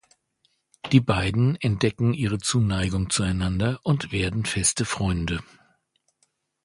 Die beiden entdecken ihre Zuneigung zueinander und werden feste Freunde.